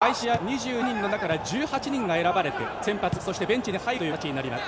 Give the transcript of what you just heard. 毎試合２２人の中から１８人が選ばれて先発そしてベンチに入る形になります。